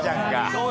そう？